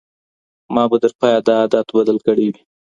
ما به تر پایه دا عادت بدل کړی وي.